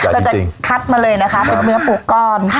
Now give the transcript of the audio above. เราจะคัดมาเลยนะคะเป็นเนื้อปูกร